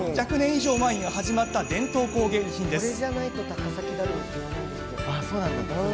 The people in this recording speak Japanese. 以上前に始まった伝統工芸品です。